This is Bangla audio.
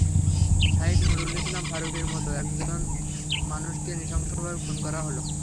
শাইখ নূরুল ইসলাম ফারুকীর মতো একজন মানুষকে নৃশংসভাবে খুন করা হলো।